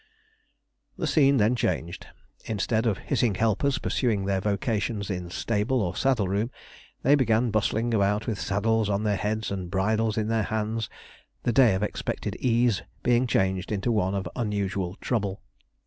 The scene then changed. Instead of hissing helpers pursuing their vocations in stable or saddle room, they began bustling about with saddles on their heads and bridles in their hands, the day of expected ease being changed into one of unusual trouble.